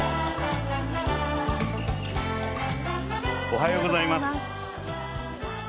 おはようございます。